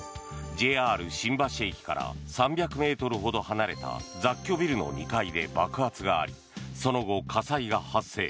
ＪＲ新橋駅から３００ｍほど離れた雑居ビルの２階で爆発がありその後、火災が発生。